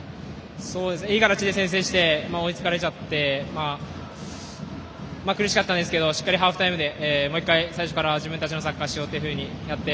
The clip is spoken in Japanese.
いい形で先制して追いつかれちゃって苦しかったんですけどしっかりハーフタイムでもう一回、自分たちのサッカーをしようと話し合って